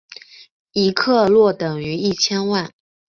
一克若等于一千万。